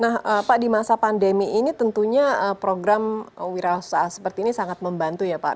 nah pak di masa pandemi ini tentunya program wira usaha seperti ini sangat membantu ya pak